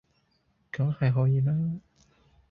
梗係可以啦